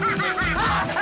tidak tidak tidak